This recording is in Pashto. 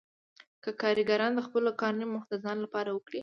که کارګران د خپل کار نیم وخت د ځان لپاره وکړي